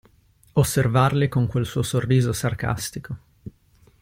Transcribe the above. Osservarli con quel suo sorriso sarcastico.